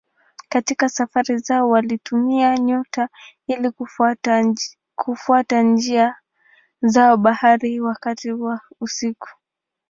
Katika safari zao walitumia nyota ili kufuata njia zao baharini wakati wa usiku.